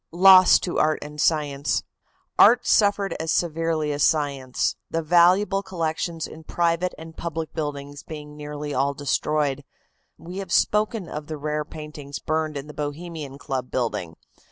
LOSS TO ART AND SCIENCE. Art suffered as severely as science, the valuable collections in private and public buildings being nearly all destroyed. We have spoken of the rare paintings burned in the Bohemian Club building.